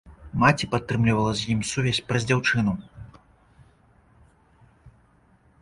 Маці падтрымлівала з ім сувязь праз дзяўчыну.